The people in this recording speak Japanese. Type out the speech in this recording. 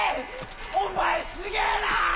お前すげぇな！